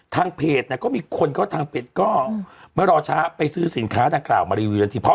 ทางเพจก็มีคนทางเพจก็ไม่รอช้าไปซื้อสินค้าดังกล่าวมารีวิวอย่างที่พร้อม